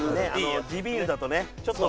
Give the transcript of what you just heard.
地ビールだとねちょっと。